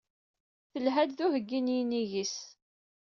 Telha-d d uheggi n yinig-is.